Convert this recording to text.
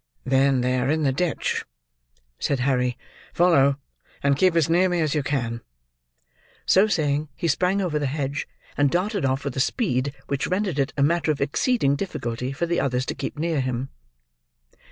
"Then, they are in the ditch!" said Harry. "Follow! And keep as near me, as you can." So saying, he sprang over the hedge, and darted off with a speed which rendered it matter of exceeding difficulty for the others to keep near him.